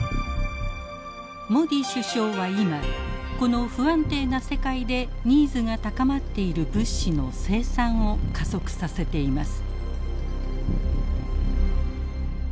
モディ首相は今この不安定な世界でニーズが高まっている物資の生産を加速させています。